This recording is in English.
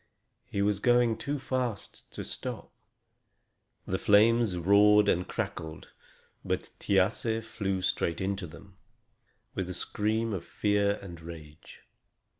He was going too fast to stop. The flames roared and crackled, but Thiasse flew straight into them, with a scream of fear and rage.